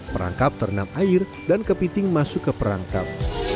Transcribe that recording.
perangkap ternam air dan kepiting masuk ke perangkap